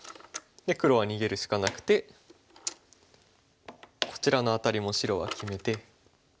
黒は逃げるしかなくてこちらのアタリも白は決めて。